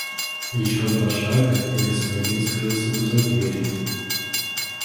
Ещё два шага и господин скрылся бы за дверью.